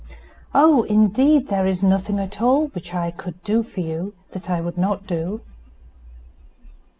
"Oh! indeed there is nothing at all which I could do for you that I would not do."